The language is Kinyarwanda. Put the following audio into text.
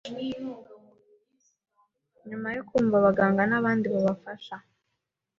nyuma yo kumva abaganga n’abandi babafasha,